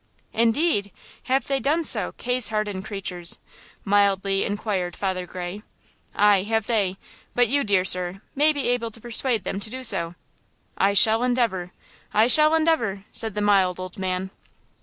"Indeed! have they done so, case hardened creatures?" mildly inquired Father Gray. "Aye, have they; but you, dear sir, may be able to persuade them to do so." "I shall endeavor! I shall endeavor!" said the mild old man.